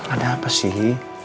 ada apa sih